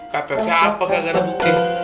kata siapa gak ada bukti